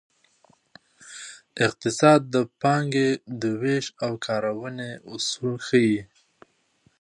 اقتصاد د پانګې د ویش او کارونې اصول ښيي.